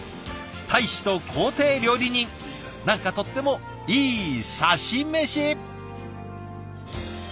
大使と公邸料理人何かとってもいいさし飯。